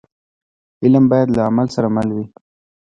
علم باید له عمل سره مل وي.